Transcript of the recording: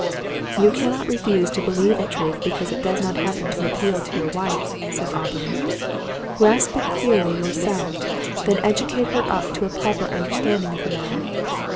"You cannot refuse to believe a truth because it does not happen to appeal to your wife," said Aubrey. "Grasp it clearly yourself; then educate her up to a proper understanding of the matter.